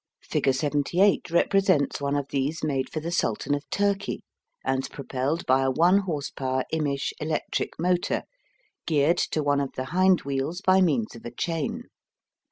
Figure 78 represents one of these made for the Sultan of Turkey, and propelled by a one horse power Immisch electric motor, geared to one of the hind wheels by means of a chain.